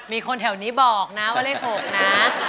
มีคนแถวนี้บอกนะว่าเลข๖นะ